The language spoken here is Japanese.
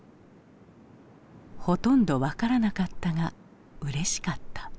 ほとんど分からなかったがうれしかった。